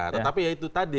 tetapi ya itu tadi